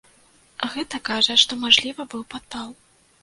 Гэта кажа, што мажліва, быў падпал.